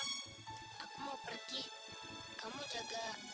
aku mau pergi kamu jaga